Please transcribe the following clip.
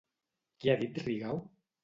Què ha dit Rigau?